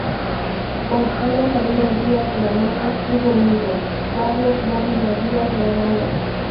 Con Ana María Diaz Granados tuvo un hijo, Carlos Dávila Diaz Granados.